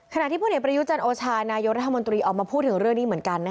ขณะที่ผู้เห็นประยุจรรย์โอชานายกรรธมนตรีออกมาพูดถึงเรื่องนี้เหมือนกัน